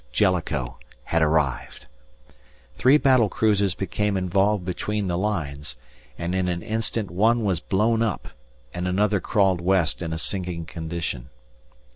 Jellicoe had arrived! Three battle cruisers became involved between the lines, and in an instant one was blown up, and another crawled west in a sinking condition.